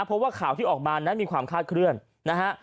เพราะว่าข่าวที่ออกมานั้นมีความคาดเคลื่อนนะฮะ